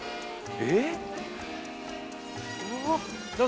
えっ？